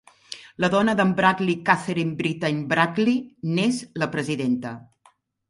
La dona d'en Bradley, Katherine Brittain Bradley, n'és la presidenta.